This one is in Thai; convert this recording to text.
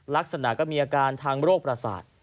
ลักษณะก็มีอาการทางโรคประสาท